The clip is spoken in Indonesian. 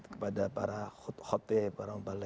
kepada para khutb khutb